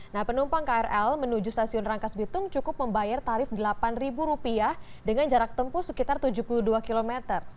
nah penumpang krl menuju stasiun rangkas bitung cukup membayar tarif rp delapan dengan jarak tempuh sekitar tujuh puluh dua km